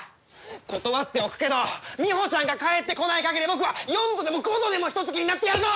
断っておくけどみほちゃんが帰ってこない限り僕は４度でも５度でもヒトツ鬼になってやるぞ！